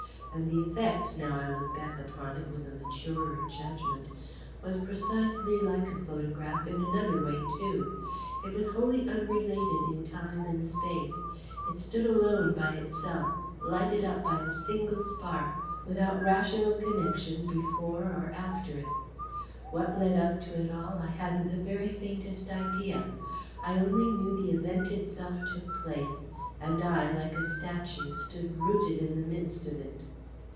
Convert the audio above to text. And the effect, now I look back upon it with a maturer judgment, was precisely like a photograph in another way too. It was wholly unrelated in time and space: it stood alone by itself, lighted up by a single spark, without rational connection before or after it. What led up to it all, I hadn't the very faintest idea. I only knew the Event itself took place; and I, like a statue, stood rooted in the midst of it.